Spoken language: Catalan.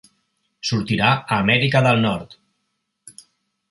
Sortirà a Amèrica del Nord.